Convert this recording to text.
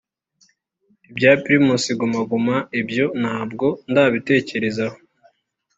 Ibya Primus Guma Guma ibyo ntabwo ndabitekerezaho